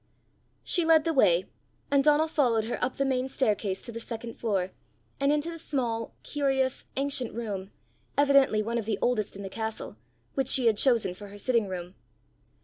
She led the way, and Donal followed her up the main staircase to the second floor, and into the small, curious, ancient room, evidently one of the oldest in the castle, which she had chosen for her sitting room.